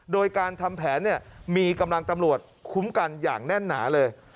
โดยการทำแผนมีกำลังตำรวจคุ้มกันอย่างแน่นหนาเลย